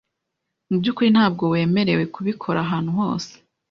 Mubyukuri, ntabwo wemerewe kubikora ahantu hose.